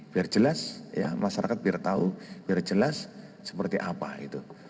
biar jelas ya masyarakat biar tahu biar jelas seperti apa gitu